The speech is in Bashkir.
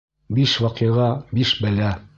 Биш ваҡиға — биш бәлә